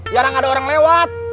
jarang ada orang lewat